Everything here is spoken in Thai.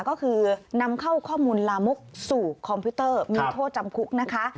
ก็คือนำเข้าข้อมูลลามกสู่คอมพิวเตอร์มีโทษจำคุกนะคะ